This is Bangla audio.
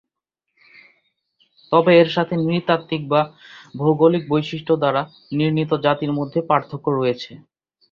তবে এর সাথে নৃতাত্ত্বিক বা ভৌগোলিক বৈশিষ্ট্য দ্বারা নির্ণীত জাতির মধ্যে পার্থক্য রয়েছে।